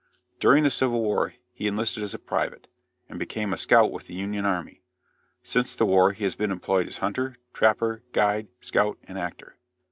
During the civil war he enlisted as a private, and became a scout with the Union army; since the war he has been employed as hunter, trapper, guide, scout and actor.